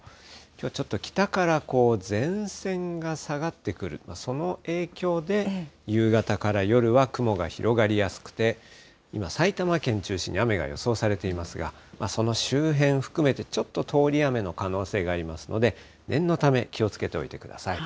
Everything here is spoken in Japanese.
きょうはちょっと北から前線が下がってくる、その影響で、夕方から夜は雲が広がりやすくて、今、埼玉県中心に雨が予想されていますが、その周辺含めて、ちょっと通り雨の可能性がありますので、念のため気をつけておいてください。